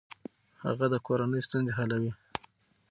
هغه د کورنۍ ستونزې حلوي.